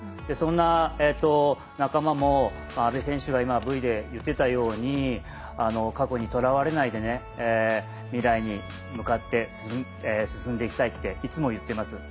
そんな仲間も阿部選手が今、Ｖで言っていたように過去にとらわれないでね未来に向かって進んでいきたいっていつもいってます。